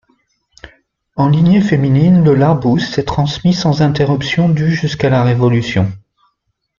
En lignée féminine, le Larboust s'est transmis sans interruption du jusqu'à la Révolution.